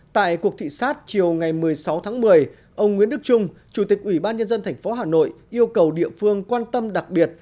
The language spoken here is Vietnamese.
tại cuộc thị sát chiều ngày một mươi sáu tháng một mươi ông nguyễn đức trung chủ tịch ủy ban nhân dân tp hà nội yêu cầu địa phương quan tâm đặc biệt